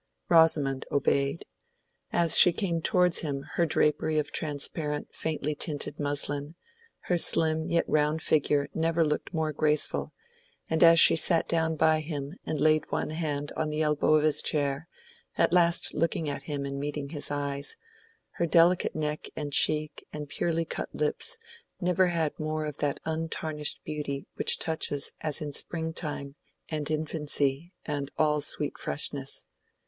Rosamond obeyed. As she came towards him in her drapery of transparent faintly tinted muslin, her slim yet round figure never looked more graceful; as she sat down by him and laid one hand on the elbow of his chair, at last looking at him and meeting his eyes, her delicate neck and cheek and purely cut lips never had more of that untarnished beauty which touches as in spring time and infancy and all sweet freshness.